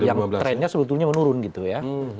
yang trennya sebetulnya menurun gitu ya